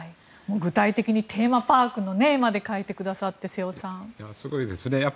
具体的にテーマパークの絵まで考えてくださってすごいですよね。